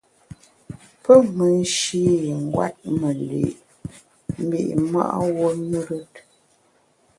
Pe me nshî ngwet me li’ mbi’ ma’ wuo ṅùrùt.